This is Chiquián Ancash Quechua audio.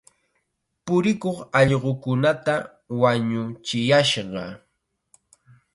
Purikuq allqukunata wañuchiyashqa.